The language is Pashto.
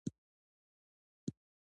کتاب باید ستاسو معلومات او پوهه پراخه کړي.